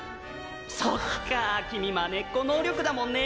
そっか君まねっこ能力だもんね。